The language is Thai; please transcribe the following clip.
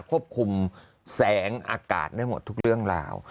ควบคุมแสงอากาศได้หมดทุกเรื่องราว